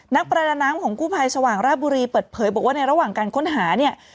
นักประดาน้ำของกู้ภัยสว่างราบุรีเปิดเผยบอกว่าในระหว่างการค้นหาเนี่ย